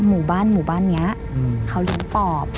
หมู่บ้านนี้เขาอยู่ปอบ